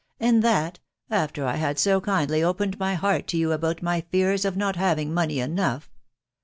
. And that, after I had ao MaHj opened my heart to you about my fears of not fearing enough